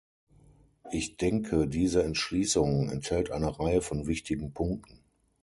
Ich denke, diese Entschließung enthält eine Reihe von wichtigen Punkten.